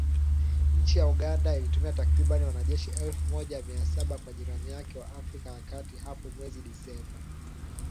Nchi ya Uganda ilituma takribani wanajeshi elfu moja mia saba kwa jirani yake wa Afrika ya kati hapo mwezi Disemba.